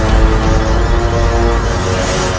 apakah yang terjadi denganmu